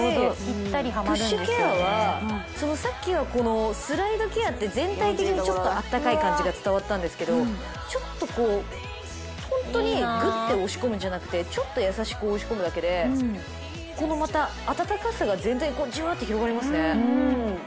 プッシュケアはさっきはこのスライドケアって全体的にちょっとあったかい感じが伝わったんですけどちょっとこうホントにグッて押し込むんじゃなくてちょっと優しく押し込むだけでこのまた温かさが全体にじわって広がりますね。